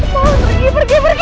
pergi pergi pergi